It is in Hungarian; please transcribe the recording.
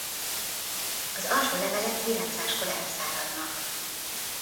Az alsó levelek virágzáskor elszáradnak.